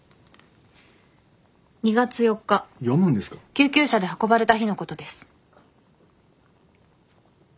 救急車で運ばれた日のことです。